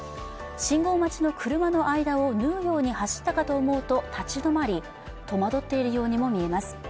信号待ちの車の間を縫うように走ったかと思うと立ち止まり、戸惑っているようにも見えます。